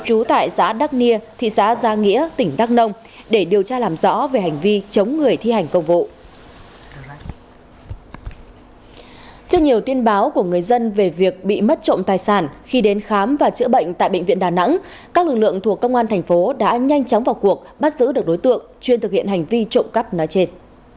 trong lúc giảng co dũng văn hai đã dùng dao của người dân về việc bị mất trộm tài sản khi đến khám và chữa bệnh tại bệnh viện đà nẵng các lực lượng thuộc công an thành phố đã nhanh chóng vào cuộc bắt giữ được đối tượng chuyên thực hiện hành vi trộm cắp nói trên